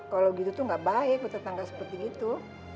kalo gitu tuh gak baik ketetangga seperti gitu